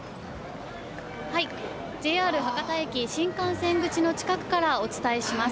ＪＲ博多駅新幹線口の近くからお伝えします。